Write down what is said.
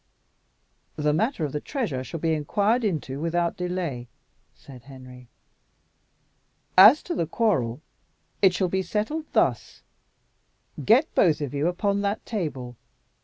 "The matter of the treasure shall be inquired into without delay," said Henry. "As to the quarrel, it shall be settled thus. Get both of you upon that table.